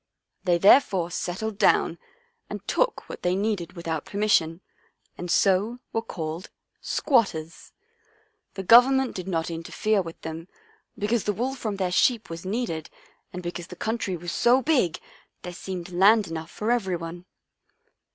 They therefore settled down and took what they needed without permission, and so were called ' squatters.' The Government did not interfere with them, because the wool from their sheep was needed and because the country was so big there seemed land enough for everyone.